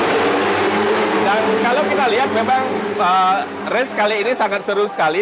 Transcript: dan kalau kita lihat memang race kali ini sangat seru sekali